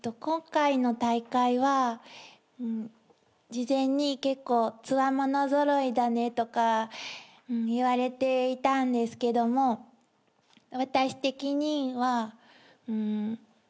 今回の大会は事前に結構つわもの揃いだねとか言われていたんですけども私的にはんー。